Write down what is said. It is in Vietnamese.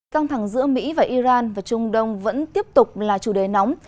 căng thẳng giữa mỹ và iran và trung đông vẫn tiếp tục là chủ đề nóng